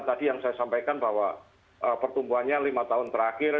tadi yang saya sampaikan bahwa pertumbuhannya lima tahun terakhir